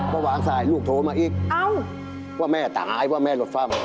มาหวางสายลูกโทรมาอีกว่าแม่ตายว่าแม่หลดฟัม